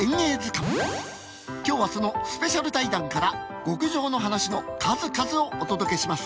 今日はそのスペシャル対談から極上のはなしの数々をお届けします。